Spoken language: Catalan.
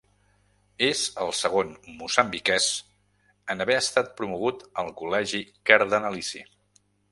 És el segon moçambiquès en haver estat promogut al Col·legi Cardenalici.